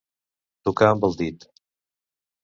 Tocar amb el dit.